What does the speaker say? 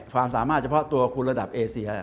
ความสามารถเฉพาะตัวคุณระดับเอเซีย